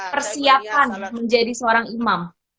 persiapan menjadi seorang imam